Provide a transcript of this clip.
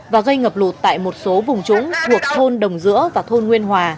và gây ngập lụt tại một số vùng trũng thuộc thôn đồng giữa và thôn nguyên hòa